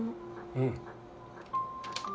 うん。